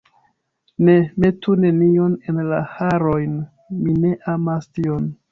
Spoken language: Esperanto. Ne, metu nenion en la harojn, mi ne amas tion.